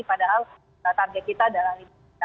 padahal target kita adalah lintas